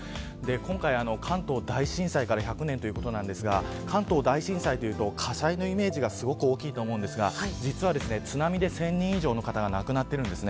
今回、関東大震災から１００年ということですが関東大震災というと火災のイメージが大きいと思いますが実は、津波で１０００人以上の方が亡くなっているんです。